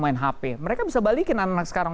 main hp mereka bisa balikin anak anak sekarang